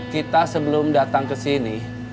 kita sebelum datang ke sini